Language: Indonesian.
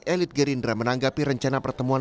elit gerindra menanggapi rencana pertemuan